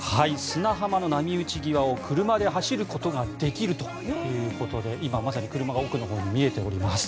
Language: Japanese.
砂浜の波打ち際を車で走ることができるということで今、まさに車が奥のほうに見えております。